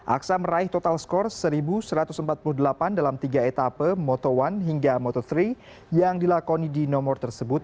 aksa meraih total skor satu satu ratus empat puluh delapan dalam tiga etape moto satu hingga moto tiga yang dilakoni di nomor tersebut